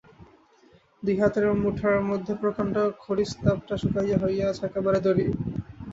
দুই হাতের মুঠার মধ্যে প্রকান্ড খরিস সাপটা শুকাইয়া হইয়া আছে একেবারে দড়ি।